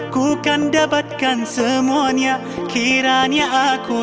ku kan dapatkan semuanya kiranya aku